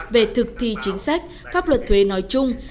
về thực thi chính sách pháp luật thuế nói chung